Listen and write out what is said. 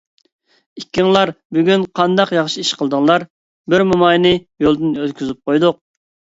ئىككىڭلار بۈگۈن قانداق ياخشى ئىش قىلدىڭلار؟ بىر موماينى يولدىن ئۆتكۈزۈپ قويدۇق.